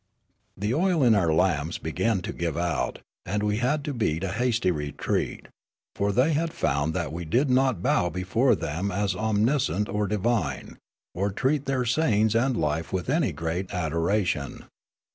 " The oil in our lamps began to give out, and we had to beat a hasty retreat, for they had found that we did not bow before them as omniscient or divine, or treat their sayings and life with any great adoration.